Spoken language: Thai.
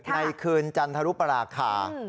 ในคืนจันทรุปราคา